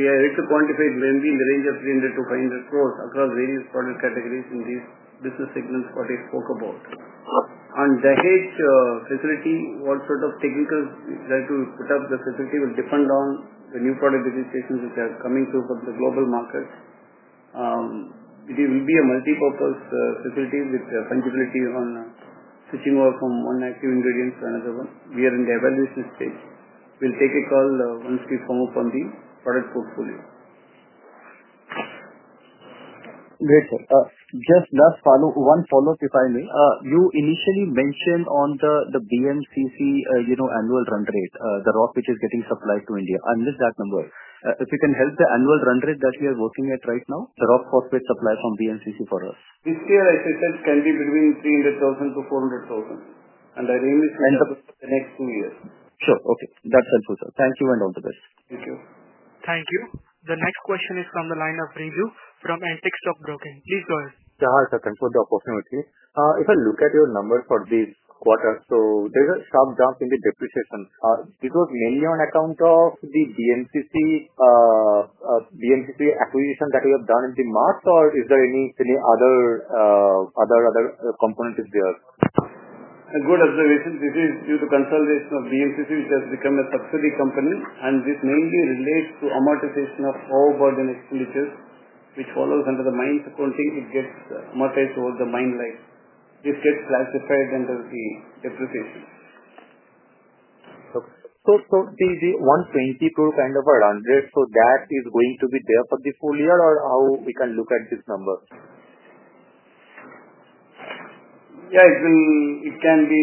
we are ready to quantify when we arrange a 300 crores across various product categories in these business segments what I spoke about. On the H facility, what sort of technicals that we set up the facility will depend on the new product registrations, which are coming through the global market. It will be a multipurpose facility with fungibility on switching over from one active ingredient to another one. We are in the evaluation stage. We'll take a call once we come up on the product portfolio. Great, sir. Last follow-up, one follow-up, if I may. You initially mentioned on the the BMCC, you know, annual run rate, the rock which is getting supplied to India. I missed that number. If you can help the annual run rate that we are working at right now, the rock profit supply from BMCC for us. This year, as I said, can be between 300,000 to 400,000. And I really stand up for the next two years. Sure. Okay. That's helpful, sir. Thank you, and all the best. Thank you. Thank you. The next question is from the line of from Antics Stockbroken. Please go ahead. Yeah. Hi, sir. Thanks for the opportunity. If I look at your number for this quarter, so there's a sharp drop in the depreciation. It was mainly on account of the BNCC BNCC acquisition that we have done in the March, or is there any other component is there? Good observation. This is due to consolidation of BMCC, which has become a subsidy company, and this mainly relates to amortization of all burden expenditures, which follows under the mine accounting, it gets amortized over the mine life. This gets classified under the depreciation. So the 120 crores kind of our run rate, so that is going to be there for the full year? Or how we can look at this number? Yes. It can be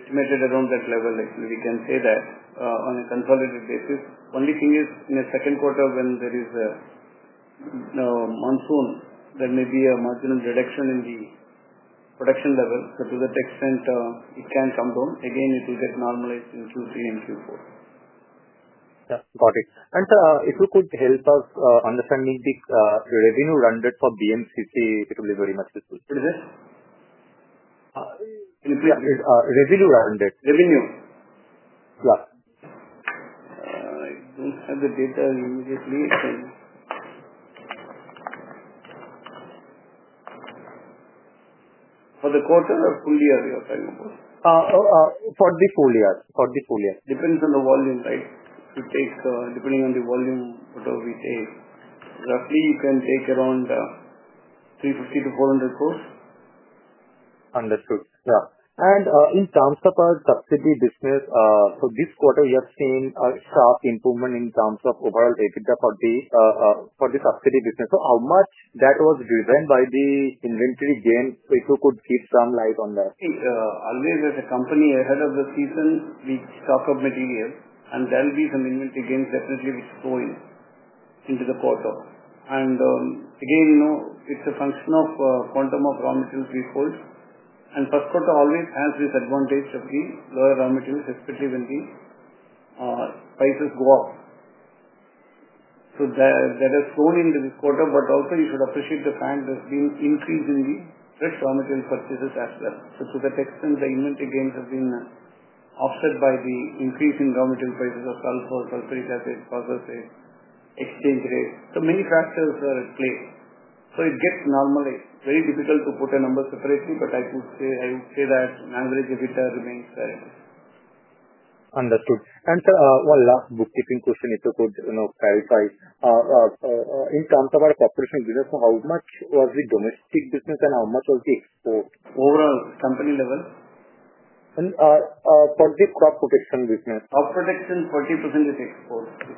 estimated around that level. Actually, we can say that on a consolidated basis. Only thing is in the second quarter when there is monsoon, there may be a marginal reduction in the production level. So to that extent, it can come down. Again, it will get normalized in Q3 and Q4. Got it. And sir, if you could help us understanding the revenue run rate for BMCC, it will be very much useful. What is it? Yeah. It's revenue run rate. Revenue. Yeah. Don't have the data immediately. For the quarter or full year, you're talking about? For the full year. For the full year. Depends on the volume. Right? You take depending on the volume, whatever we take. Roughly, you can take around $3.50 to 400 crores. Understood. Yes. And in terms of our subsidy business, so this quarter, you have seen a sharp improvement in terms of overall EBITDA for the subsidy business. So how much that was driven by the inventory gain, if you could keep some light on that? I always as a company ahead of the season, we stock up materials and there'll be some inventory gains definitely which go into the quarter. And again, it's a function of quantum of raw materials we hold. And first quarter always has this advantage of the lower raw materials, especially when the prices go up. So that has grown into this quarter, but also you should appreciate the fact there's been increase in the fresh raw material purchases as well. So to that extent, the inventory gains have been offset by the increase in raw material prices of sulphur, sulphuric acid, process exchange rate. So many factors are at play. So it gets normally very difficult to put a number separately, but I would say that an average EBITDA remains there. Understood. And sir, one last bookkeeping question, if you could clarify. In terms of our cooperation business, how much was the domestic business and how much was the export? Overall company level? For the crop protection business. Crop protection, 40% is export. 60%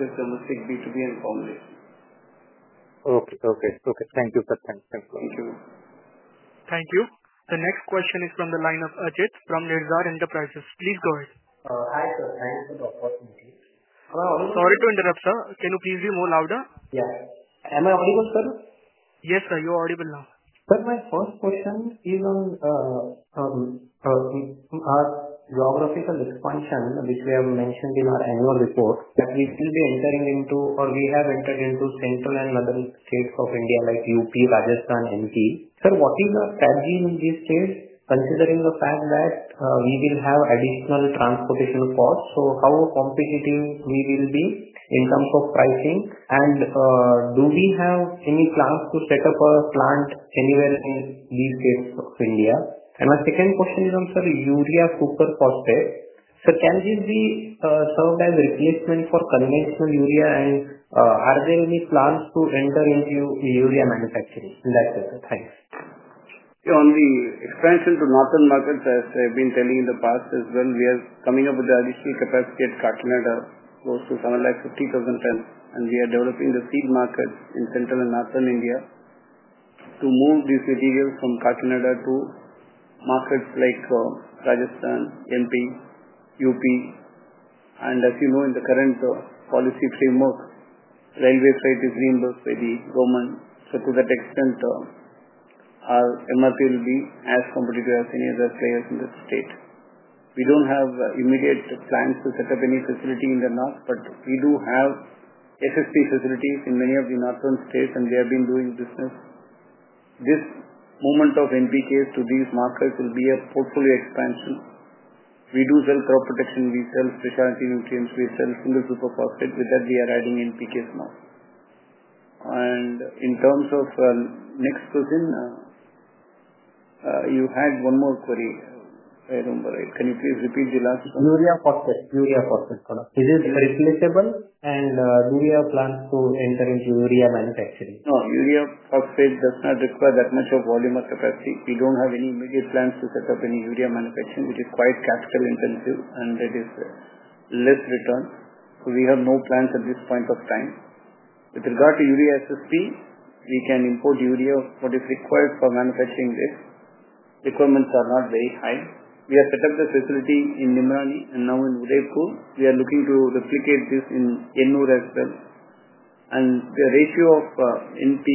is domestic b to b and foundation. Okay okay okay. Thank you, sir. Thanks. Thank you. Thank you. The next question is from the line of from Enterprises. Please go ahead. Hi, Thank you for the opportunity. Hello? Sorry to interrupt, sir. Can you please hear more louder? Yes. Am I audible, sir? Yes, sir. You're audible now. Sir, my first question is on geography and expansion, which we have mentioned in our annual report, that we will be entering into or we have entered into central and other states of India, like UP, Rajasthan, NP. Sir, what is the strategy in this case considering the fact that we will have additional transportation cost? So how competitive we will be in terms of pricing? And do we have any plans to set up a plant anywhere in the state of India? And my second question is on, sir, urea Cooper prospect. So can this be served as replacement for conventional urea? And are there any plans to enter into urea manufacturing? In that sense. On the expansion to Northern markets, as I've been telling in the past as well, we are coming up with the additional capacity at Kartinada close to somewhere like 50,000 tonnes, and we are developing the seed market in Central And Northern India to move these materials from Kakinada to markets like Rajasthan, MP, UP. And as you know, in the current policy framework, railway freight is reimbursed by the government. So to that extent, MRT will be as competitive as any other players in the state. We don't have immediate plans to set up any facility in the North, but we do have FSP facilities in many of the Northern states, and they have been doing business. This movement of NPKs to these markets will be a portfolio expansion. We do sell crop protection, we sell specialty nutrients, we sell single group of phosphate, with that we are adding NPKs now. And in terms of next question, you had one more query, if I remember it. Can you please repeat the last question? Luria phosphate, urea phosphate, is it recyclable And do we have plans to enter into urea manufacturing? No. Urea phosphate does not require that much of volume or capacity. We don't have any immediate plans to set up any urea manufacturing, which is quite capital intensive, and that is less return. So we have no plans at this point of time. With regard to urea SSD, we can import urea, what is required for manufacturing this. Requirements are not very high. We have set up the facility in Nimrani and now in Udaipur. We are looking to replicate this in Kenmore as well. And the ratio of NP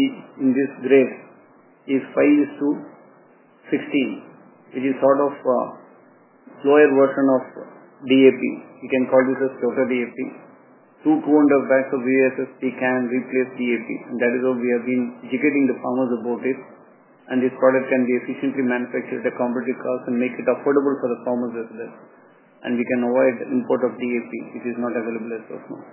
in this grade is five:sixteen, which is sort of lower version of DAP. You can call this as total DAP. 200 bags of VSSD can replace DAP. That is what we have been educating the farmers about it. And this product can be efficiently manufactured at commodity cost and make it affordable for the farmers as well. And we can avoid import of DAP, which is not available as of now.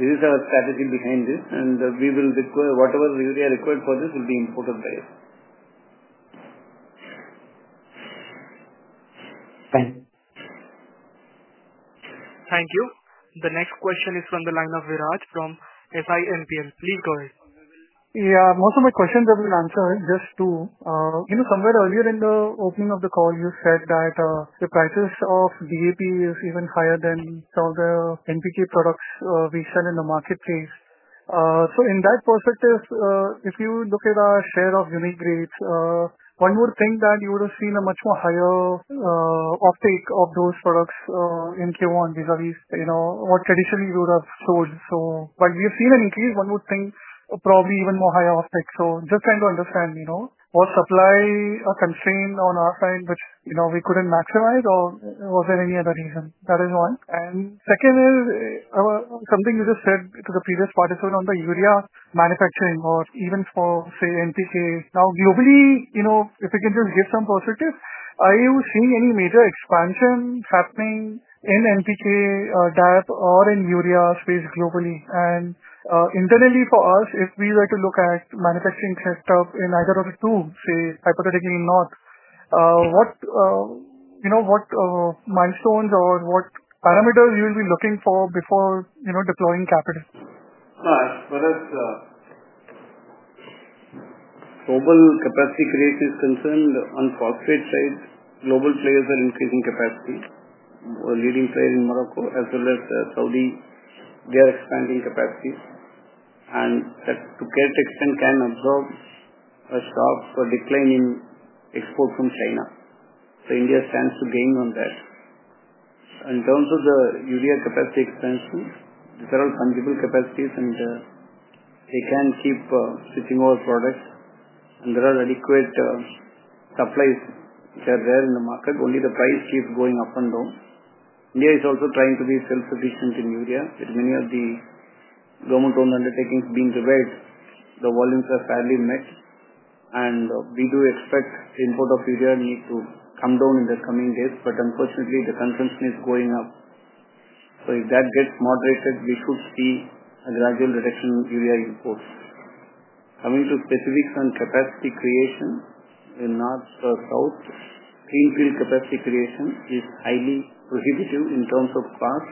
This is our strategy behind this, and we will require whatever we require for this will be imported there. Thank you. The next question is from the line of Viraj from SI and PM. Please go ahead. Yeah. Most of my questions I will answer just to you know, somewhere earlier in the opening of the call, you said that the prices of DAP is even higher than all the NTT products we sell in the marketplace. So in that perspective, if you look at our share of unit grades, one more thing that you would have seen a much more higher uptake of those products in q one vis a vis, you know, what traditionally you would have sold. So but we have seen an increase. One more thing, probably even more higher uptake. So just trying to understand, you know, was supply a constraint on our side, which, you know, we couldn't maximize or was there any other reason? That is one. And second is something you just said to the previous participant on the urea manufacturing or even for, say, NPK. Now globally, you know, if you can just give some positive, are you seeing any major expansion happening in NPK or DAP or in urea space globally? And internally for us, if we were to look at manufacturing setup in either of the two, say, hypothetically not, what milestones or what parameters you will be looking for before deploying capital? As far as global capacity growth is concerned on phosphate side, global players are increasing capacity. A leading player in Morocco as well as Saudi, they are expanding capacity. And to get extent, can absorb a sharp decline in exports from China. So India stands to gain on that. In terms of the UDL capacity expansion, these are all fungible capacities, and they can keep shipping our products. And there are adequate supplies that are there in the market, only the price keeps going up and down. India is also trying to be self sufficient in India with many of the government undertakings being delayed. The volumes are fairly mixed. And we do expect import of U. S. Needs to come down in the coming days. But unfortunately, the consumption is going up. So if that gets moderated, we should see a gradual reduction in U. S. Imports. Coming to specifics on capacity creation in North South, greenfield capacity creation is highly prohibitive in terms of cost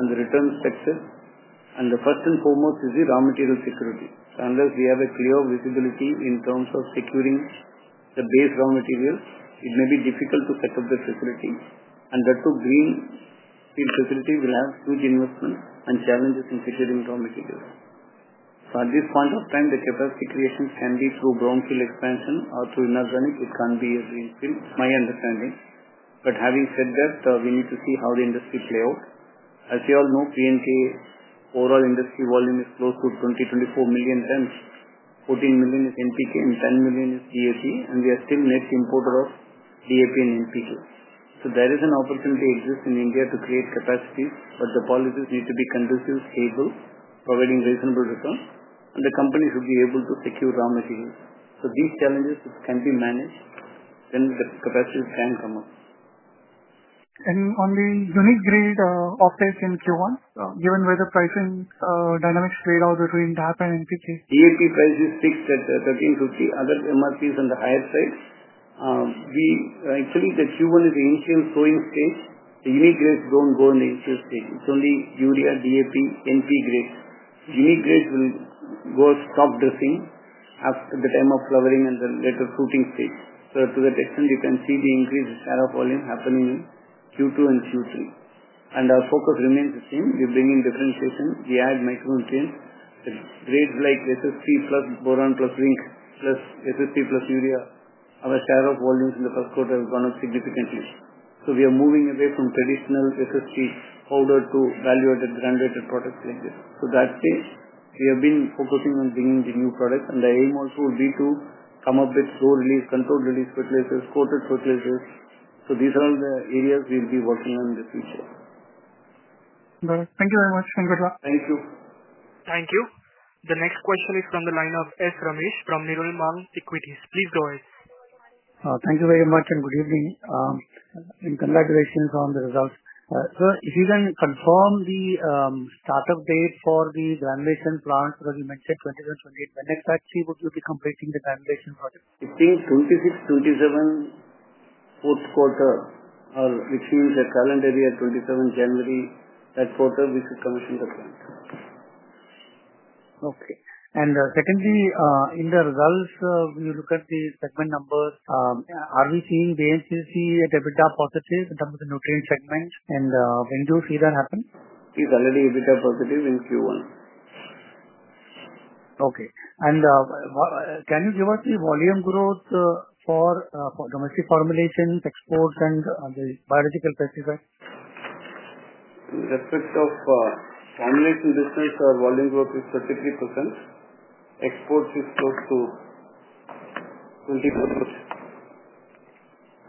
and the return sector. And the first and foremost is the raw material security. Unless we have a clear visibility in terms of securing the base raw materials, it may be difficult to set up the facility and that's a green field facility will have huge investments and challenges in securing raw materials. So at this point of time, the capacity creation can be through brownfield expansion or through inorganic, it can be a greenfield, my understanding. But having said that, we need to see how the industry play out. As you all know, P and K overall industry volume is close to 20,000,000, 24,000,000 hence, 14,000,000 is NPK and 10,000,000 is GAC and we are still net importer of DAP and NPK. So there is an opportunity exist in India to create capacity, but the policies need to be conducive, stable, providing reasonable returns and the company should be able to secure raw materials. So these challenges can be managed when the capacities can come up. And on the unit grade OpEx in Q1, given where the pricing dynamics played out between DAP and NTT? DAP prices fixed at $13.50, other MRT is on the higher side. We actually, the Q1 is the ancient growing stage. The unit grades don't go in the initial stage. It's only urea, DAP, NP grades. Unit grades will go stop dosing after the time of flowering and then at the fruiting stage. So to that extent, you can see the increased share of volume happening in Q2 and Q3. And our focus remains the same. We're bringing differentiation. We add micro and chain. It's grades like SSP plus boron plus zinc plus SSP plus urea. Our share of volumes in the first quarter has gone up significantly. So we are moving away from traditional SSD holder to value added branded products like this. So that's it. We have been focusing on bringing the new products and the aim also would be to come up with store release, control release purchases, quoted purchases. So these are all the areas we'll be working on in the future. Got it. Thank you very much. And good luck. Thank you. Thank you. The next question is from the line of S Ramesh from Nirulman Equities. Please go ahead. Thank you very much and good evening and congratulations on the results. Sir, if you can confirm the start up date for the generation plant, because you mentioned 2128, when exactly would you be completing the generation project? I think twenty six, twenty seven, fourth quarter, which is the calendar year twenty seven January, that quarter we should commission the plant. Okay. And secondly, in the results, when you look at the segment numbers, are we seeing the ACC at EBITDA positive in terms of the nutrient segment? And when do you see that happen? It's already EBITDA positive in Q1. Okay. And can you give us the volume growth for domestic formulations, exports and the biological pesticides? Respect of formulation business, our volume growth is 33%. Exports is close to 20%.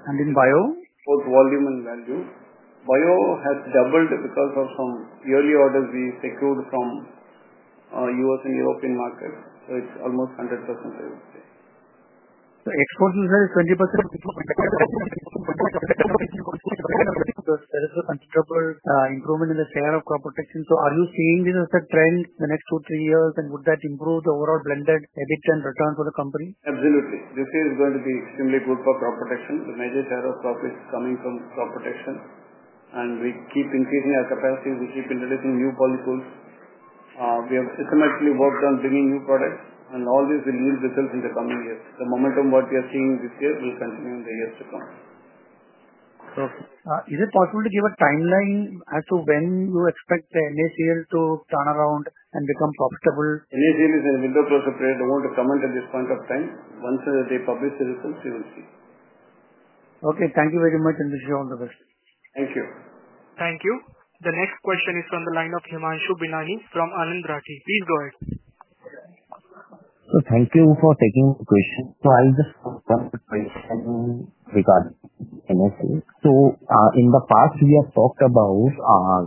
And in bio? Both volume and value. Bio has doubled because of some yearly orders we secured from US and European market. So it's almost 100%, would say. So exposure is 20% improvement there is a considerable improvement in the share of crop protection. So are you seeing this as a trend in the next two, three years and would that improve the overall blended EBITDA return for the company? Absolutely. This year is going to be extremely good for crop protection. The major tariff profit is coming from crop protection and we keep increasing our capacity. We keep introducing new poly tools. We have systematically worked on bringing new products and all these will yield results in the coming years. The momentum what we are seeing this year will continue in the years to come. Okay. Is it possible to give a timeline as to when you expect the NACL to turn around and become profitable? NACL is a window close to play. They want to comment at this point of time. Once they publish the results, you will see. Okay. Thank you very much, and wish you all the best. Thank you. Thank you. The next question is from the line of Himanshu Binani from Anandrati. Please So thank you for taking the question. So I'll just start with regarding NSE. So in the past, we have talked about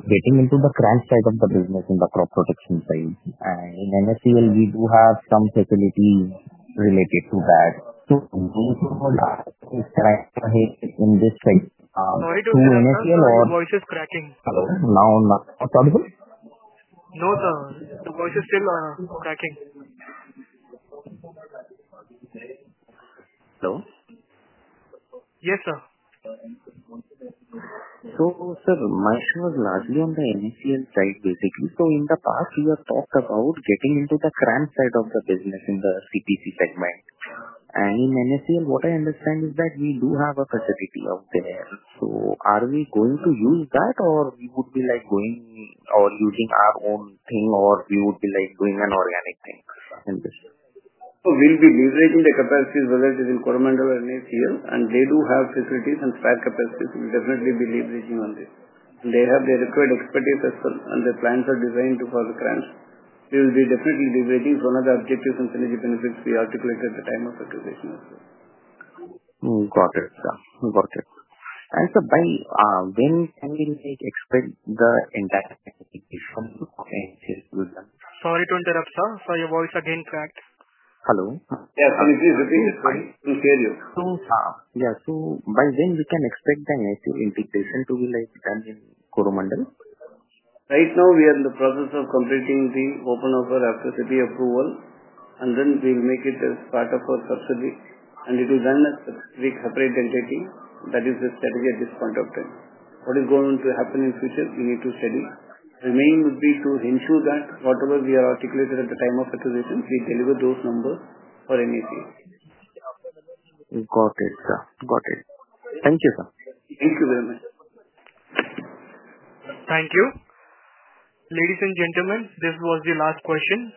getting into the crash side of the business in the crop protection side. And in NFC, we do have some facility related to that. So to do to hold that is correct ahead in this case. Sorry to hear your voice is cracking. Hello? No, sir. The voice is still cracking. Hello? Yes, sir. So, sir, my issue was largely on the side, basically. So in the past, you have talked about getting into the cramp side of the business in the CPC segment. And in NACL, what I understand is that we do have a facility out there. So are we going to use that or we would be, like, going or using our own thing or we would be like doing an organic thing in this? We'll be leveraging the capacity as well as in and they do have facilities and stack capacities. We'll definitely be leveraging on this. They have their required expertise as well and their plans are designed to further. We will be definitely debating some of the objectives and synergy benefits we articulated at the time of acquisition also. Got it, sir. Got it. And so by when can we expect the entire application to end here? Good. Sorry to interrupt, sir. Sorry. Your voice again cracked. Hello? Yes. I mean, the thing is fine. I didn't hear you. So Yeah. So by then, we can expect the native integration to be like done in Kurumandan? Right now, we are in the process of completing the open offer after city approval, and then we'll make it as part of our subsidy. And it is done as separate entity that is the strategy at this point of time. What is going to happen in future, we need to study. The main would be to ensure that whatever we articulated at the time of acquisition, we deliver those numbers for anything. Got it, sir. Got it. Thank you, sir. Thank you very much. You. Ladies and gentlemen, this was the last question.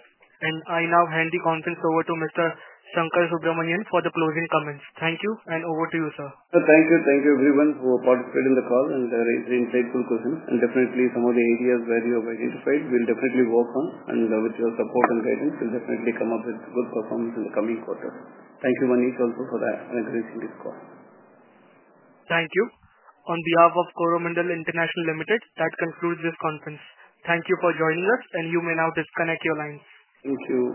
And I now hand the conference over to Mr. Shankar Subramanian for the closing comments. Thank you and over to you sir. Sir, thank you thank you everyone who participated in the call and the insightful questions. And definitely some of the areas where you have identified, we'll definitely work on and with your support and guidance, we'll definitely come up with good performance in the coming quarter. Thank you, Manish also for that and increasing this call. Thank you. On behalf of Coromandel International Limited, that concludes this conference. Thank you for joining us and you may now disconnect your lines. Thank you.